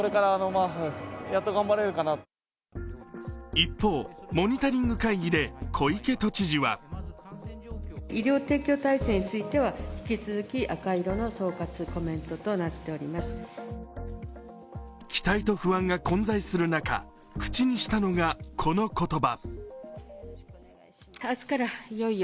一方、モニタリング会議で小池都知事は期待と不安が混在する中、口にしたのがこの言葉。